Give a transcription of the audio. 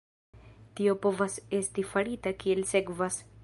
Tio povas esti farita kiel sekvas.